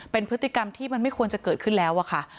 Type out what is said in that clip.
เป็นพฤติกรรมที่มันไม่ควรจะเกิดขึ้นแล้วอะค่ะ